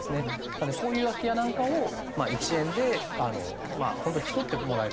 なのでそういう空き家なんかを１円で引き取ってもらえる人を探すっていう。